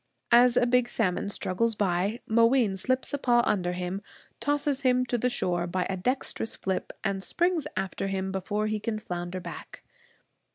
As a big salmon struggles by, Mooween slips a paw under him, tosses him to the shore by a dexterous flip, and springs after him before he can flounder back.